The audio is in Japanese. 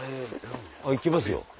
行けますよ。